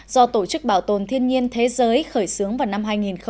do tổ chức bảo tồn thiên nhiên thế giới khởi xướng vào năm hai nghìn bảy